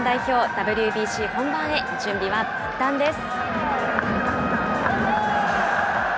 ＷＢＣ本番へ、準備は万端です。